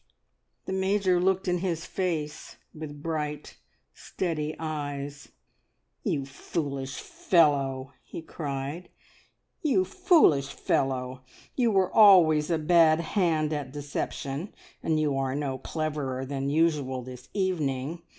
The Major looked in his face with bright, steady eyes. "You foolish fellow!" he cried. "You foolish fellow! You were always a bad hand at deception, and you are no cleverer than usual this evening.